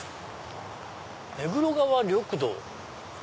「目黒川緑道」。